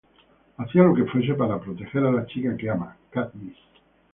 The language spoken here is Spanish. Haría lo que fuese para proteger a la chica que ama, Katniss.